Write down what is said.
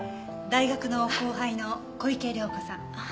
大学の後輩の小池涼子さん。